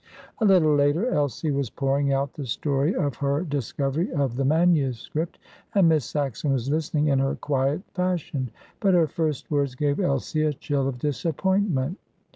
A little later Elsie was pouring out the story of her discovery of the manuscript, and Miss Saxon was listening in her quiet fashion. But her first words gave Elsie a chill of disappointment.